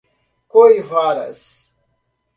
Coivaras